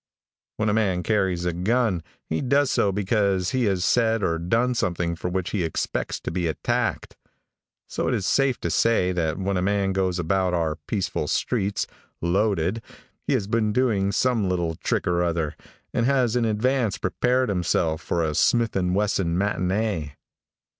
When a man carries a gun he does so because he has said or done something for which he expects to be attacked, so it is safe to say that when a man goes about our peaceful streets, loaded, he has been doing some, little trick or other, and has in advance prepared himself for a Smith & Wesson matinee.